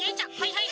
はい。